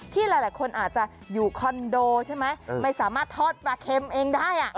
ที่หลายคนอาจจะอยู่คอนโดใช่ไหมไม่สามารถทอดปลาเค็มเองได้